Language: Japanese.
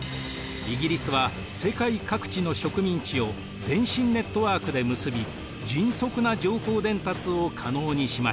イギリスは世界各地の植民地を電信ネットワークで結び迅速な情報伝達を可能にしました。